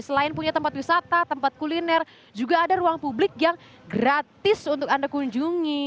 selain punya tempat wisata tempat kuliner juga ada ruang publik yang gratis untuk anda kunjungi